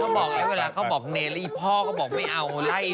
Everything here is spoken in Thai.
ก็บอกอย่างเวลาเขาบอกไอ้พ่อก็บอกไม่เอา